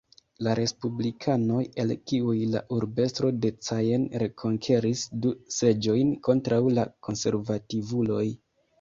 La respublikanoj, el kiuj la urbestro de Caen rekonkeris du seĝojn kontraŭ la konservativuloj.